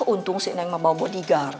untung sih neng mah bawa bodyguard